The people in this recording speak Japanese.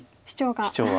シチョウが。